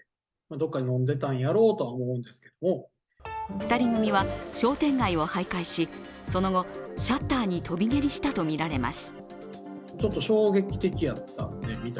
２人組は商店街を徘徊し、その後、シャッターに飛び蹴りしたとみられます。